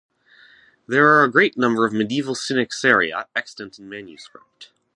There are a great number of medieval Synaxaria extant in manuscript.